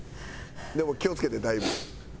でも気を付けてだいぶ。